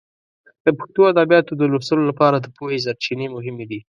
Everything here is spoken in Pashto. د پښتو د ادبیاتو د لوستلو لپاره د پوهې سرچینې مهمې دي.